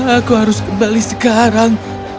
aku harus kembali sekarang